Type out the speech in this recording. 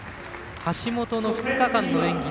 橋本の２日間の演技